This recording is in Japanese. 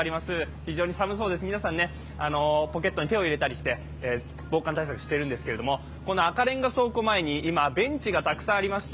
非常に寒そうです、皆さんポケットに手を入れたりして防寒対策しているんですけども、この赤レンガ倉庫前に今、ベンチがたくさんありまして、